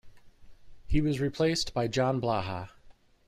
He was replaced by John Blaha.